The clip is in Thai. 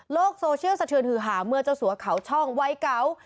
โซเชียลสะเทือนฮือหาเมื่อเจ้าสัวเขาช่องวัยเก่า